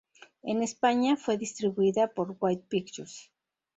En España fue distribuida por "Wide Pictures".